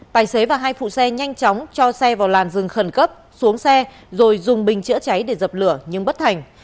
tài xế và hai phụ xe nhanh chóng cho xe vào làn rừng khẩn cấp xuống xe rồi dùng bình chữa cháy để dập lửa nhưng bất thành